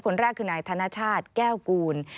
แรกคือนายธนชาติแก้วกูล